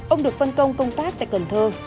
ông được phân công công tác tại cần thơ